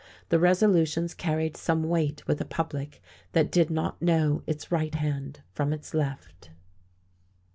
The resolutions carried some weight with a public that did not know its right hand from its left.